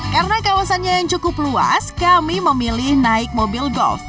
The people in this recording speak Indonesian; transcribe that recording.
karena kawasannya yang cukup luas kami memilih naik mobil golf